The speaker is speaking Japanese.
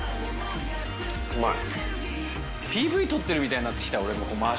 うまい。